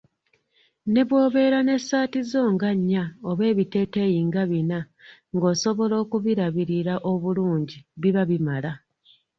Ne bw'obeera n'essaati zo nga nnya oba ebiteeteeyi nga bina nga osobola okubirabirira obulungi biba bimala.